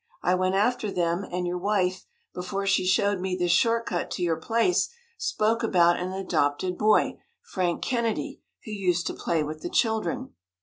I went after them and your wife, before she showed me this short cut to your place, spoke about an adopted boy, Frank Kennedy, who used to play with the children."